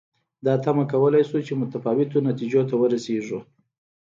دا تمه کولای شو چې متفاوتو نتیجو ته ورسېږو.